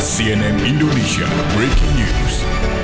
cnn indonesia breaking news